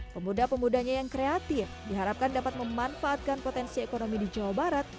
pemuda pemudanya yang kreatif diharapkan dapat memanfaatkan potensi ekonomi di jawa barat